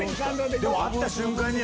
でも会った瞬間に。